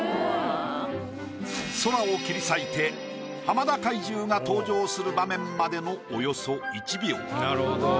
空を切り裂いて浜田怪獣が登場する場面までのおよそ１秒。